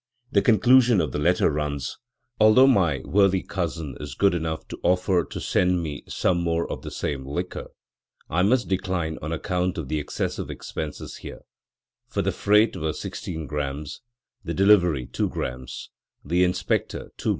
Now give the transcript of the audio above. The conclusion of the letter runs: "Although my worthy cousin is good enough to offer to send me some more of the same liquor, I must decline on account of the excessive expenses here; for the freight was 16 gr., the delivery 2 gr., the inspector 2 gr.